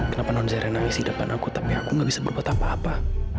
kenapa non zare nangis di depan aku tapi aku gak bisa berbuat apa apa